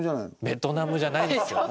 ベトナムじゃないですよ。